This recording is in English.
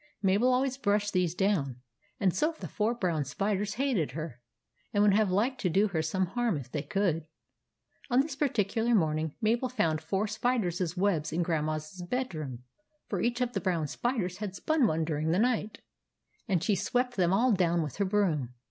Mabel always brushed these down ; and so the four brown spiders hated her, and would have liked to do her some harm if they could. On this particular morning, Mabel found four spiders' webs in Grand ma's bed room, for each of the brown spiders had spun one during the night ; and she swept them all down with her broom.